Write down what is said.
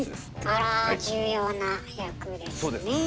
あら重要な役ですね。